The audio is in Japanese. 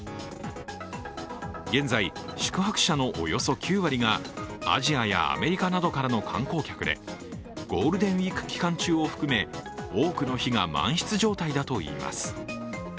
現在、宿泊者のおよそ９割がアジアやアメリカなどからの観光客でゴールデンウイーク期間中を含め多くの日が満室状態だといいます。